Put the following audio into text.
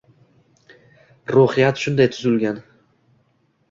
Ruhiyat shunday tuzilgan.